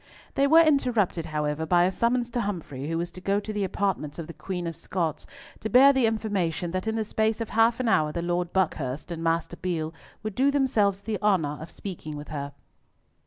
They were interrupted, however, by a summons to Humfrey, who was to go to the apartments of the Queen of Scots, to bear the information that in the space of half an hour the Lord Buckhurst and Master Beale would do themselves the honour of speaking with her.